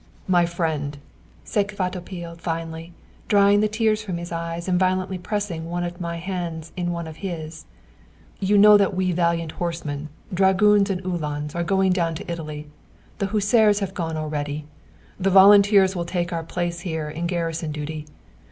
"My friend," said Kvatopil finally, drying the tears from his eyes and violently pressing one of my hands in one of his, "you know that we valiant horsemen, dragoons and uhlans, are going down to Italy; the hussars have gone already. The volunteers will take our place here in garrison duty.